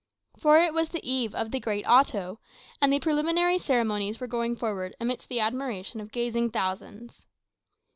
For it was the eve of the great Auto, and the preliminary ceremonies were going forward amidst the admiration of gazing thousands.